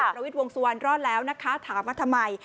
ประวิทย์วงสุวรรณรอดแล้วนะคะถามว่าทำไม